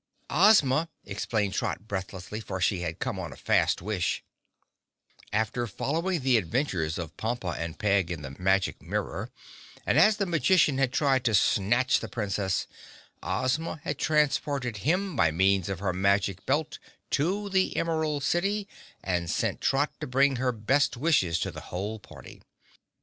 "Ozma," explained Trot breathlessly, for she had come on a fast wish. [Illustration: (unlabelled)] After following the adventures of Pompa and Peg in the Magic Mirror, and as the magician had tried to snatch the Princess, Ozma had transported him by means of her Magic Belt to the Emerald City, and sent Trot to bring her best wishes to the whole party.